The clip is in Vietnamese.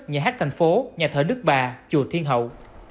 nhà hát thành phố nhà thở nước bà chùa thiên hậu